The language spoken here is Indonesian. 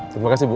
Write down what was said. terima kasih bu